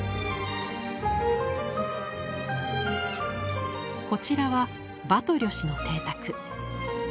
こちらはバトリョ氏の邸宅。